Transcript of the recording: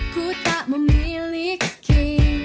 ku tak memiliki